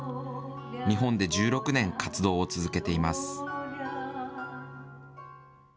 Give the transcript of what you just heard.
日本で１６年、活動を続けています。